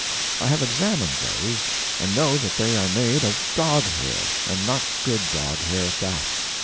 I have examined those and know that they are made of dog hair, and not good dog hair at that.